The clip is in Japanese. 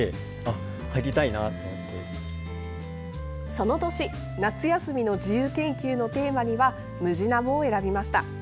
その年、夏休みの自由研究のテーマにはムジナモを選びました。